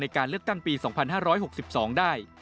การเลือกตั้งปี๒๕๖๒ได้